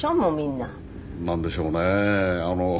なんでしょうね。